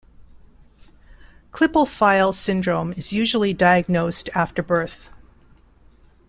Klippel-Feil syndrome is usually diagnosed after birth.